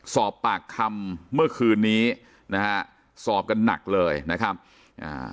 สอบปากคำเมื่อคืนนี้นะฮะสอบกันหนักเลยนะครับอ่า